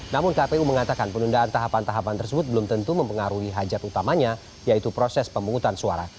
namun kpu mengatakan penundaan tahapan tahapan tersebut belum tentu mempengaruhi hajat utamanya yaitu proses pemungutan suara